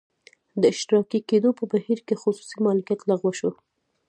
د اشتراکي کېدو په بهیر کې خصوصي مالکیت لغوه شو